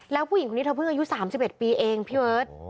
แล้วผู้หญิงคนนี้เธอเพิ่งอายุ๓๑ปีเองพี่เบิร์ต